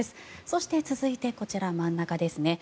そして、続いてこちら真ん中ですね。